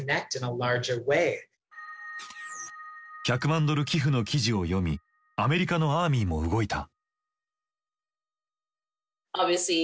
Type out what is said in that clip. １００万ドル寄付の記事を読みアメリカのアーミーも動いた。